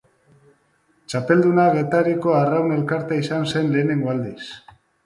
Txapelduna Getariako Arraun Elkartea izan zen lehenengo aldiz.